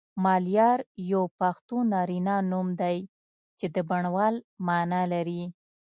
ملیار یو پښتو نارینه نوم دی چی د بڼوال معنی لری